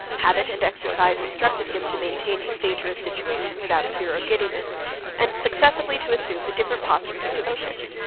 Habit and exercise instructed him to maintain his dangerous situation without fear or giddiness, and successively to assume the different postures of devotion.